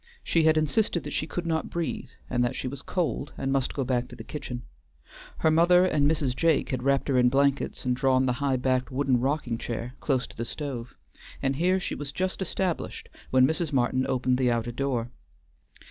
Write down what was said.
She had insisted that she could not breathe, and that she was cold and must go back to the kitchen. Her mother and Mrs. Jake had wrapped her in blankets and drawn the high backed wooden rocking chair close to the stove, and here she was just established when Mrs. Martin opened the outer door.